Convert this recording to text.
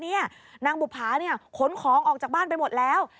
นางบุภาขนของออกจากบ้านไปหมดแล้ว